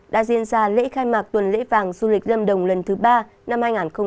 đã diễn ra lễ khai mạc tuần lễ vàng du lịch lâm đồng lần thứ ba năm hai nghìn hai mươi